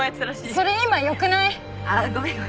それ今よくない？あっごめんごめん。